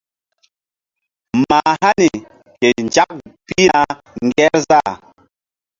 Mah hani ke nzak pihna ŋgerzah.